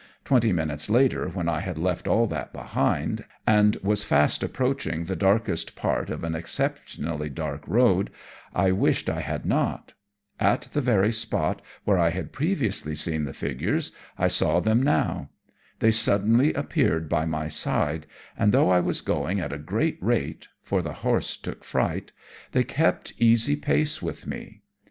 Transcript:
Twenty minutes later, when I had left all that behind, and was fast approaching the darkest part of an exceptionally dark road, I wished I had not. At the very spot, where I had previously seen the figures, I saw them now. They suddenly appeared by my side, and though I was going at a great rate for the horse took fright they kept easy pace with me.